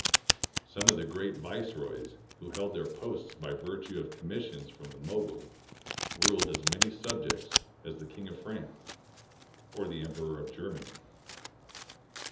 Some of the great viceroys who held their posts by virtue of commissions from the Mogul ruled as many subjects as the King of France or the Emperor of Germany.